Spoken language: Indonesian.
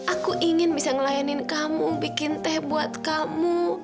aku ingin bisa ngelayanin kamu bikin teh buat kamu